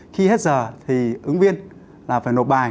khi hết giờ thì ứng viên là phải nộp bài